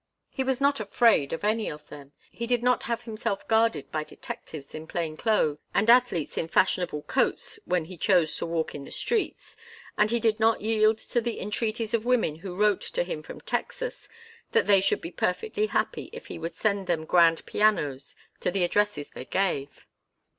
He was not afraid of any of them. He did not have himself guarded by detectives in plain clothes and athletes in fashionable coats, when he chose to walk in the streets, and he did not yield to the entreaties of women who wrote to him from Texas that they should be perfectly happy if he would send them grand pianos to the addresses they gave.